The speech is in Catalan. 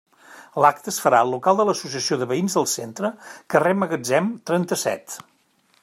L'acte es farà al local de l'Associació de Veïns del Centre, carrer Magatzem, trenta-set.